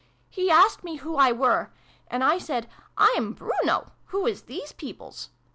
" He asked me who I were. And I said ' I'm Bruno : who is these peoples